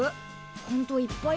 ほんといっぱい